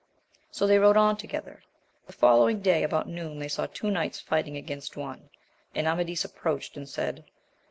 So they rode on together. The following day about noon they saw two knights fighting against one, and Amadis approached, and said.